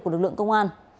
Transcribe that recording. của lực lượng công an